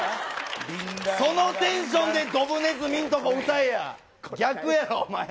そのテンションでどぶねずみんとこ歌えや、逆やろ。